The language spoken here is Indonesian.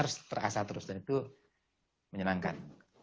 harus terasa terus dan itu menyenangkan